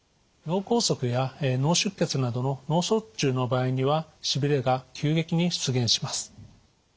脳梗塞や脳出血などの脳卒中の場合にはしびれが急激に出現します。